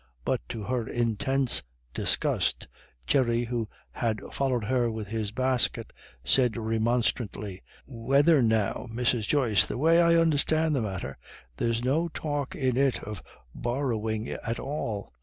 But, to her intense disgust, Jerry, who had followed her with his basket, said remonstrantly: "Whethen now, Mrs. Joyce, the way I understand the matter there's no talk in it of borryin' at all.